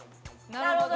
なるほどね。